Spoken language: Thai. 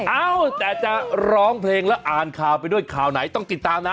เอ้าแต่จะร้องเพลงแล้วอ่านข่าวไปด้วยข่าวไหนต้องติดตามนะ